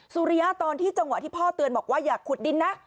สุริยะตอนที่จังหวะที่พ่อเตือนบอกว่าอย่าขุดดินนะ